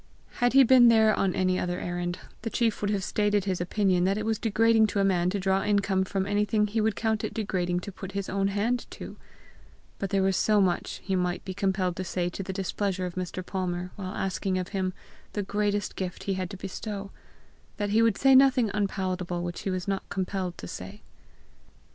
Had he been there on any other errand the chief would have stated his opinion that it was degrading to a man to draw income from anything he would count it degrading to put his own hand to; but there was so much he might be compelled to say to the displeasure of Mr. Palmer while asking of him the greatest gift he had to bestow, that he would say nothing unpalatable which he was not compelled to say.